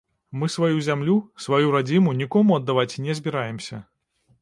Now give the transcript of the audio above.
Мы сваю зямлю, сваю радзіму нікому аддаваць не збіраемся.